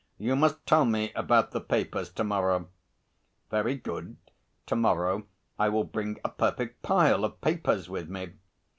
You must tell me about the papers to morrow." "Very good; to morrow I will bring a perfect pile of papers with me."